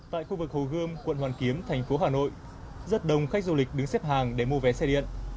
tại khu vực hồ gươm quận hoàn kiếm thành phố hà nội rất đông khách du lịch đứng xếp hàng để mua vé xe điện